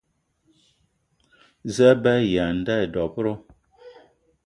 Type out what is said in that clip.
Za a be aya a nda dob-ro?